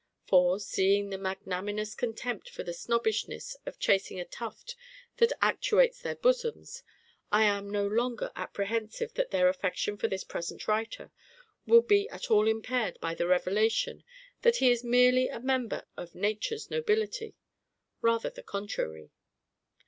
For, seeing the magnanimous contempt for the snobbishness of chasing a tuft that actuates their bosoms, I am no longer apprehensive that their affection for this present writer will be at all impaired by the revelation that he is merely a member of nature's nobility. Rather the contrary.